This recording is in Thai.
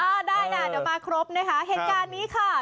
ได้นะเดี๋ยวมาครบนะคะเหตุการณ์นี้ค่ะ